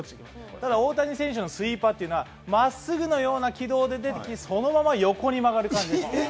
ただ大谷選手のスイーパーは、真っすぐのような軌道で出てきて、そのまま横に曲がる感じ。